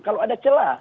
kalau ada celah